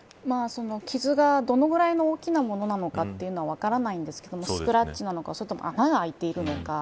傷が、どのぐらいの大きなものなのかというのが分からないんですがスクラッチなのかそれとも穴があいているのか。